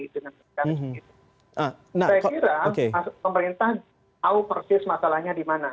saya kira pemerintah tahu persis masalahnya di mana